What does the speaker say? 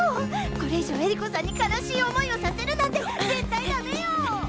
これ以上恵理子さんに悲しい思いをさせるなんて絶対ダメよ！